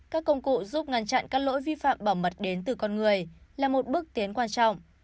các công cụ giúp ngăn chặn các lỗi vi phạm bảo mật đến từ con người là một bước tiến quan trọng